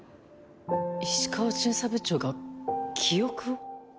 石川巡査部長が記憶を？